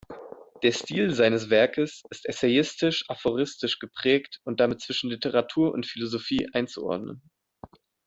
Der Stil seines Werkes ist essayistisch-aphoristisch geprägt und damit zwischen Literatur und Philosophie einzuordnen.